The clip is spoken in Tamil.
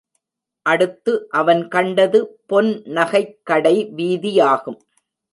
அடுத்து அவன் கண்டது பொன் நகைக் கடை வீதியாகும்.